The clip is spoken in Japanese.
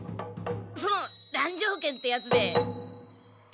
その乱定剣ってやつで。